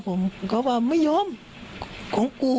ผมก็กระโดดก่อนเลย